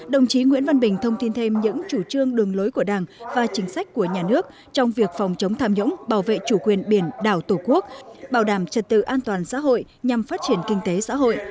đồng chí nguyễn văn bình thông tin thêm những chủ trương đường lối của đảng và chính sách của nhà nước trong việc phòng chống tham nhũng bảo vệ chủ quyền biển đảo tổ quốc bảo đảm trật tự an toàn xã hội nhằm phát triển kinh tế xã hội